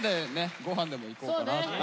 御飯でも行こうかなと。